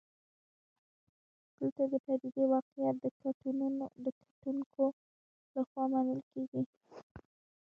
دلته د پدیدې واقعیت د کتونکو لخوا منل کېږي.